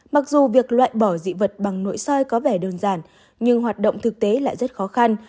mặc dù việc loại bỏ dị vật bằng nội soi có vẻ đơn giản nhưng hoạt động thực tế lại rất khó khăn